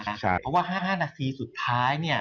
เพราะว่า๕นาทีสุดท้าย